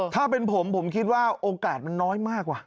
ถ้าเป็นผมผมคิดว่าโอกาสมันน้อยมากกว่า